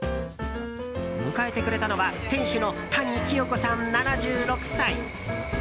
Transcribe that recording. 迎えてくれたのは店主の谷喜代子さん、７６歳。